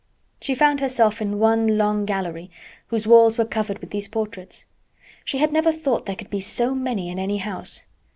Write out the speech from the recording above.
She found herself in one long gallery whose walls were covered with these portraits. She had never thought there could be so many in any house.